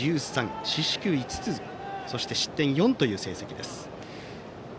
四死球５つそして失点４という成績です。